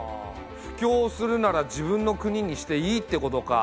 布教するなら自分の国にしていいってことか。